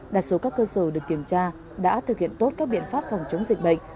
đa số các cơ sở được kiểm tra đã thực hiện tốt các biện pháp phòng chống dịch bệnh